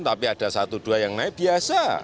tapi ada satu dua yang naik biasa